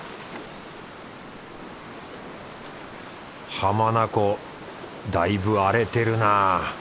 浜名湖だいぶ荒れてるなぁ。